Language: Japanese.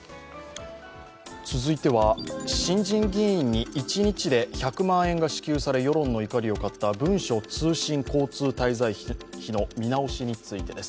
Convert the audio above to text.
続いては、新人議員に一日で１００万円が支給され世論の怒りを買った、文書通信交通滞在費の見直しについてです。